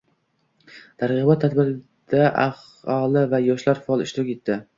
Targ‘ibot tadbirida aholi va yoshlar faol ishtirok etdi